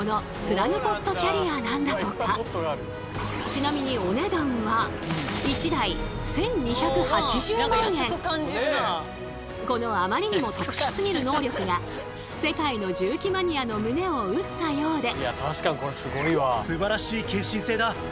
ちなみにお値段は１台このあまりにも特殊すぎる能力が世界の重機マニアの胸を打ったようで。